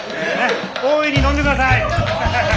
大いに飲んでください！